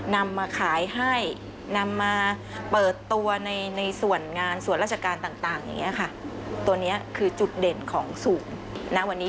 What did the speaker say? นำมาขายให้